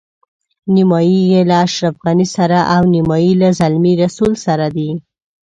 نیمایي یې له اشرف غني سره او نیمایي له زلمي رسول سره دي.